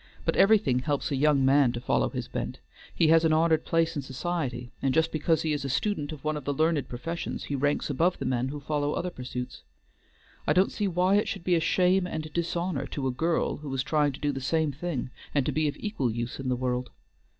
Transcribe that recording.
But everything helps a young man to follow his bent; he has an honored place in society, and just because he is a student of one of the learned professions, he ranks above the men who follow other pursuits. I don't see why it should be a shame and dishonor to a girl who is trying to do the same thing and to be of equal use in the world.